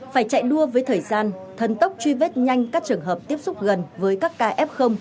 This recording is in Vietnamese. phải chạy đua với thời gian thần tốc truy vết nhanh các trường hợp tiếp xúc gần với các ca f